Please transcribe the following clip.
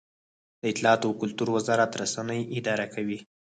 د اطلاعاتو او کلتور وزارت رسنۍ اداره کوي